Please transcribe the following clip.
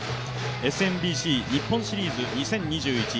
ＳＭＢＣ日本シリーズ２０２１